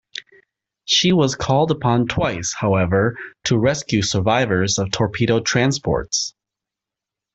She was called upon twice, however, to rescue survivors of torpedoed transports.